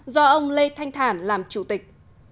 do ông lê thanh thản làm chủ tịch